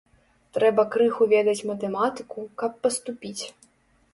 Трэба крыху ведаць матэматыку, каб паступіць.